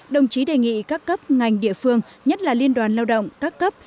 đồng chí đề nghị các cấp ngành địa phương nhất là liên đoàn lao động các cấp